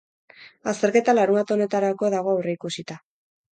Azterketa larunbat honetarako dago aurreikusita.